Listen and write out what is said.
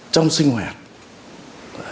trong sinh hoạt